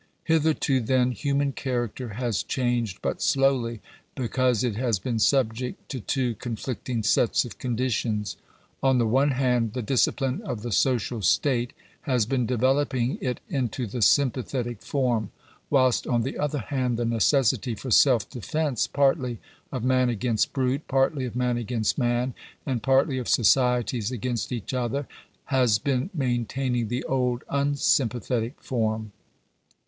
Hitherto, then, human character has changed but slowly, because it has been subject to two conflicting sets o£ condi Digitized by VjOOQIC GENERAL CONSIDERATIONS. y 415 tions. On the one hand, the discipline of the social state has been developing it into the sympathetic form ; whilst on the other hand, the necessity for self defence partly of man against brute, partly of man against man, and partly of sooieties against each other, has been maintaining the old unsympa thetic form.